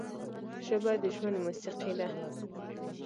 ژبه د ژوند موسیقي ده